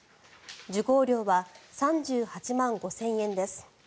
受講料は３８万５０００円です。